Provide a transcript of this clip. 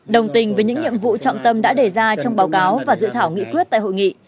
đồng tình với những nhiệm vụ trọng tâm đã đề ra trong báo cáo và dự thảo nghị quyết tại hội nghị